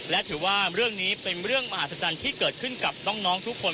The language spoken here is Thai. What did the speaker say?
และถือว่าเรื่องนี้เป็นเรื่องมหัศจรรย์ที่เกิดขึ้นกับน้องทุกคน